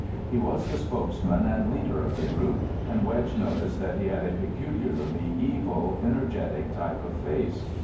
He was the spokesman and leader of the group, and Wedge noticed that he had a peculiarly evil, energetic type of face.